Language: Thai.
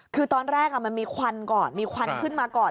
คือตอนแรกมันมีควันก่อนมีควันขึ้นมาก่อน